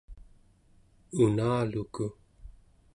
unaluku